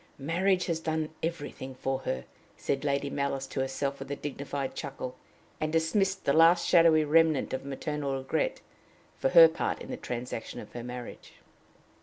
"Marriage has done everything for her!" said Lady Malice to herself with a dignified chuckle, and dismissed the last shadowy remnant of maternal regret for her part in the transaction of her marriage.